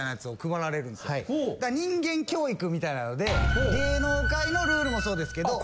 人間教育みたいなので芸能界のルールもそうですけど。